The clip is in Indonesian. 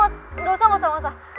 gak usah gak usah gak usah